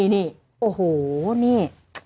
นี่โอ้โหนี่